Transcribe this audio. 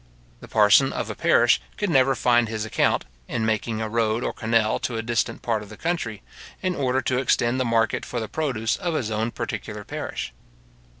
The parson of a parish could never find his account, in making a road or canal to a distant part of the country, in order to extend the market for the produce of his own particular parish.